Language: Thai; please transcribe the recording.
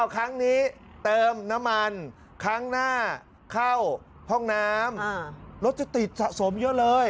ครั้งนี้เติมน้ำมันครั้งหน้าเข้าห้องน้ำรถจะติดสะสมเยอะเลย